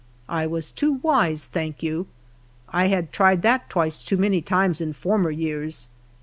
I was too wise, thank you ; I had tried that twice too many times in former years.